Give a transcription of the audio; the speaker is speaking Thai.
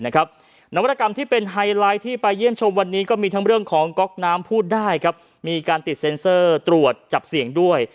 นวัตกรรมที่เป็นไฮไลท์ที่ไปเยี่ยมชมวันนี้ก็มีทั้งเรื่องของก๊อกน้ำพูดได้มีการติดเซ็นเซอร์ตรวจจับเสี่ยงด้วย